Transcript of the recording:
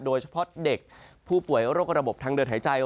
โดยเฉพาะเด็กผู้ป่วยโรคระบบทางเดินหายใจ